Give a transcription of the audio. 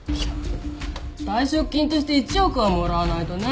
退職金として１億はもらわないとねえ。